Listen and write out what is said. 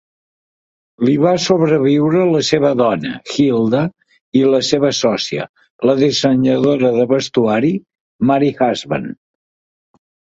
Li va sobreviure la seva dona, Gilda, i la seva sòcia, la dissenyadora de vestuari, Mary Husband.